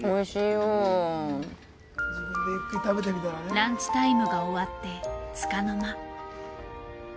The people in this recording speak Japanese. ランチタイムが終わって束の間。